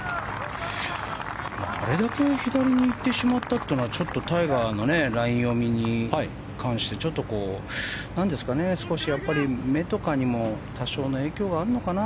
あれだけ左に行ってしまったというのはタイガーのライン読みに関してちょっと、少し目とかにも多少の影響があるのかな。